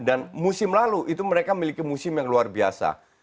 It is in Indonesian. dan musim lalu itu mereka memiliki musim yang luar biasa